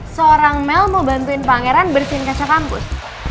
seorang mel mau bantuin pangeran bersin kaca kampus